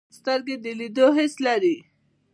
سترګې د لیدلو حس لري